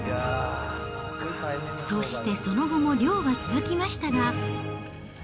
そしてその後も漁は続きましたが。